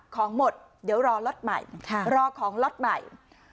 ของหมดเดี๋ยวรอล็อตใหม่รอของล็อตใหม่